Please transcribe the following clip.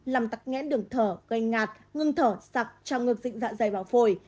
làm tắc nghẽn đường thở gây ngạt ngưng thở sặc trao ngược dịch dạ dày vào phổi